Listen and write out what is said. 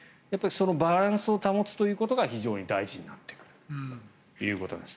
バランスを保つことが非常に大事になってくるということです。